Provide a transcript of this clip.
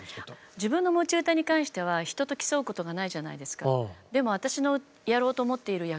自分の持ち歌に関しては人と競うことがないじゃないですか。